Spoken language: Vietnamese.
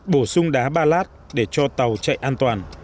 bổ sung đá ba lát để cho tàu chạy an toàn